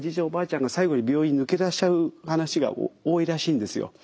おばあちゃんが最後に病院抜け出しちゃう話が多いらしいんですよ。